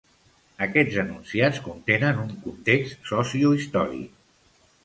Aquests enunciats contenen un context sociohistòric.